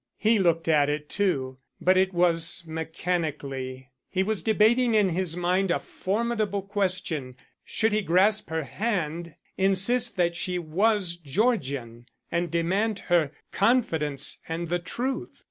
He looked at it too, but it was mechanically. He was debating in his mind a formidable question. Should he grasp her hand, insist that she was Georgian and demand her confidence and the truth?